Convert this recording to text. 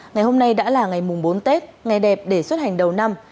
ngày hôm nay đã là ngày mùng bốn tết ngày đẹp để xuất hành đầu năm